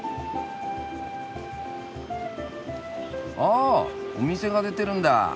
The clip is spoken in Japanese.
あお店が出てるんだあ。